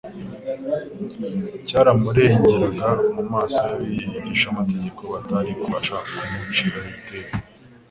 cyaramurengeraga mu maso y'abigishamategeko batari kubasha kumuciraho iteka